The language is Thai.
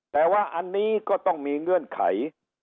แต่ว่าอันนี้ก็ต้องมีเงื่อนไข